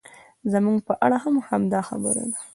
زموږ په اړه هم همدا خبره ده.